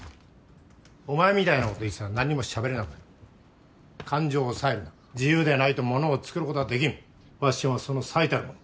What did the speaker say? お前みたいなこと言ってたら何もしゃべれなくなる感情を抑えるな自由でないとものを作ることはできんファッションはその最たるもの